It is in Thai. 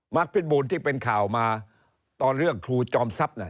พิษบูรณ์ที่เป็นข่าวมาตอนเรื่องครูจอมทรัพย์น่ะ